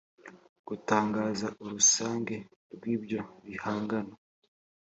gutangaza urusange rw ibyo bihangano